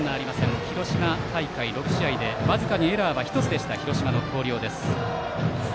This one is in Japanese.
広島大会６試合で僅かにエラーは１つでした広島の広陵です。